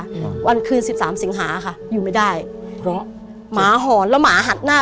อืมวันคืนสิบสามสิงหาค่ะอยู่ไม่ได้หรอหอนแล้วหมาหัดหน้า